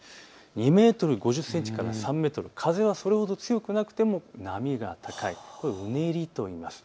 ２メートル５０センチから３メートル、風はそれほど強くなくても波が高い、これをうねりといいます。